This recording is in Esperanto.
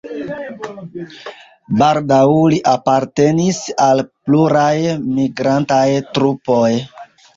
Baldaŭ li apartenis al pluraj migrantaj trupoj.